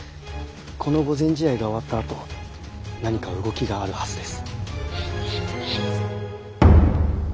この御前試合が終わったあと何か動きがあるはずです。